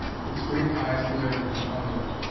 Its great eyes glared at them hungrily.